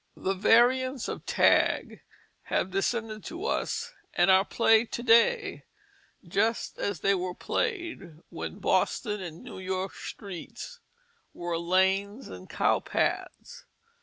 The variants of tag have descended to us and are played to day, just as they were played when Boston and New York streets were lanes and cowpaths.